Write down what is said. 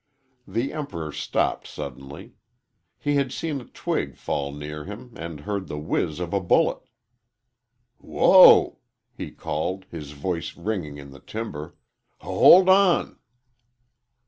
The Emperor stopped suddenly. He had seen a twig fall near him and heard the whiz of a bullet. "Whoa!" he called, his voice ringing in the timber. "H hold on!"